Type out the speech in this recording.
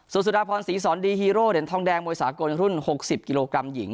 สุดาพรศรีสอนดีฮีโร่เหรียญทองแดงมวยสากลรุ่น๖๐กิโลกรัมหญิง